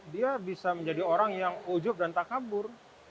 dia bisa menjadi orang yang ujub dan takabur